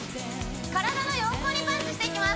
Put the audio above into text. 体の横にパンチしていきます